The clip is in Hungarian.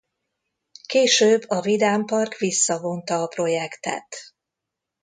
Később a vidámpark visszavonta a projektet.